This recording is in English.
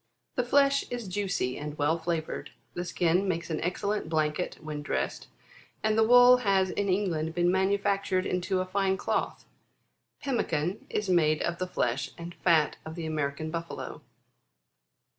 17. The flesh is juicy, and well flavoured. The skin makes an excellent blanket when dressed ; and the wool has in England been manufactured into a fine cloth. Pemmican is made of the flesh and fat of the American Buffalo.